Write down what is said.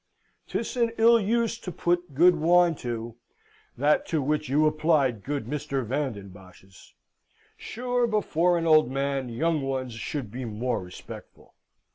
'Tis an ill use to put good wine to that to which you applied good Mr. Van den Bosch's. Sure, before an old man, young ones should be more respectful.